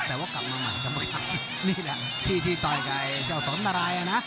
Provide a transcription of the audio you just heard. แต่ว่ากลับมามากกับกรรมการนี่แหละที่ที่ต่อยกับไอ้เจ้าสอนนารายอ่ะนะ